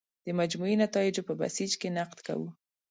د مجموعي نتایجو په بیسج کې نقد کوو.